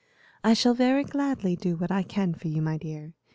"I shall very gladly do what I can for you, my dear.